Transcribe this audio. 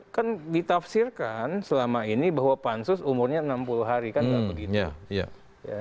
kan ditafsirkan selama ini bahwa pansus umurnya enam puluh hari kan tidak begitu